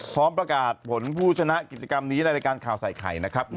พร้อมประกาศผลผู้ชนะกิจกรรมนี้ในรายการข่าวใส่ไข่นะครับ